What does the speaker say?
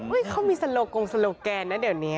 เขามีสโลกงโลแกนนะเดี๋ยวนี้